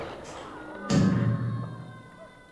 ښه خلک باید په سختو وختونو کي یوازې پرې نه ښودل شي.